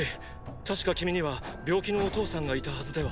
確か君には病気のお父さんがいたはずでは？